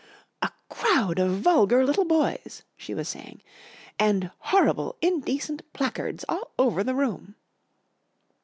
"A crowd of vulgar little boys," she was saying, "and horrible indecent placards all over the room."